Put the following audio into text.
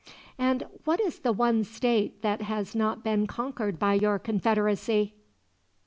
"And what is the one state that has not been conquered by your Confederacy?"